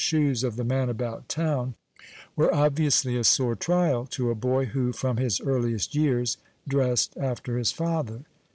shoes ul' the niaii about town were obviously a sore trial to a boy who, from his earliest years, dressed after his father).